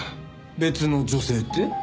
別の女性って？